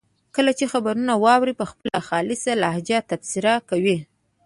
کله چې خبرونه واوري په خپله خالصه لهجه تبصرې کوي.